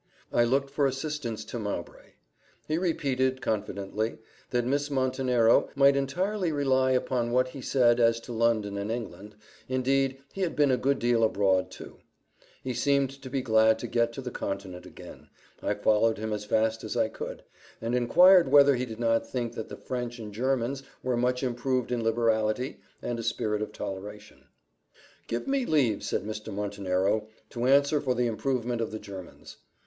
I looked for assistance to Mowbray. He repeated, confidently, that Miss Montenero might entirely rely upon what he said as to London and England indeed he had been a good deal abroad too. He seemed to be glad to get to the continent again I followed him as fast as I could, and inquired whether he did not think that the French and Germans were much improved in liberality, and a spirit of toleration. "Give me leave," said Mr. Montenero, "to answer for the improvement of the Germans.